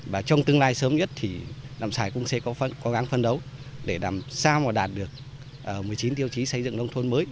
và trong tương lai sớm nhất thì làm xài cũng sẽ có cố gắng phân đấu để làm sao mà đạt được một mươi chín tiêu chí xây dựng nông thôn mới